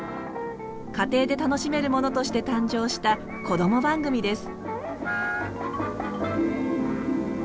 家庭で楽しめるものとして誕生したこども番組です。